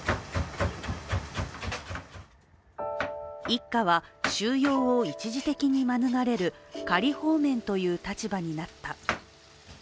一家は収容を一時的に免れる仮放免という立場になった。